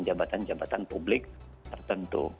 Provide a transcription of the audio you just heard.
jabatan jabatan publik tertentu